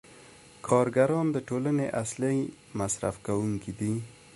کارګران د ټولنې اصلي مصرف کوونکي دي